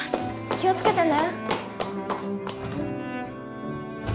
気をつけてね。